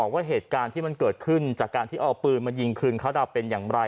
ว่าเหตุการณ์ที่มันเกิดขึ้นจากการที่เอาปืนมายิงคืนเขาดาวเป็นอย่างไร